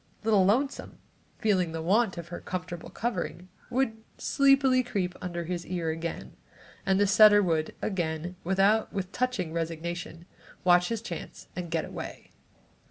Little Lonesome, feeling the want of her comfortable covering, would sleepily creep under his ear again and the setter would again, with touching resignation, watch his chance and get away.